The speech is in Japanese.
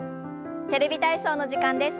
「テレビ体操」の時間です。